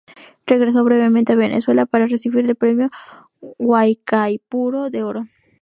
Regresó brevemente a Venezuela para recibir el Premio Guaicaipuro de Oro.